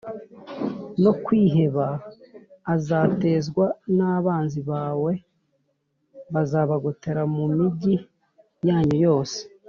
no kwiheba azatezwa n’abanzi bawe bazabagotera mu migi yanyu yose.